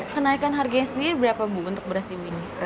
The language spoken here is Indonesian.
kenaikan harganya sendiri berapa bu untuk beras ibu ini